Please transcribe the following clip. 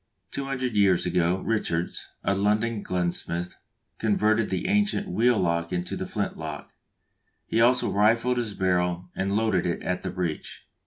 Two hundred years ago, Richards, a London gunsmith, converted the ancient wheel lock into the flint lock; he also rifled his barrel and loaded it at the breech.